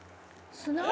「砂？